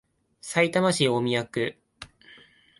さいたま市大宮区